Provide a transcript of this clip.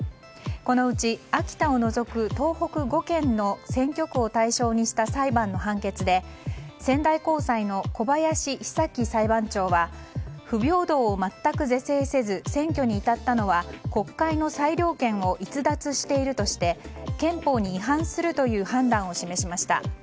このうち秋田を除く東北５県の選挙区を対象にした裁判の判決で仙台高裁の小林久起裁判長は不平等を全く是正せず選挙に至ったのは国会の裁量権を逸脱しているとして憲法に違反するという判断を示しました。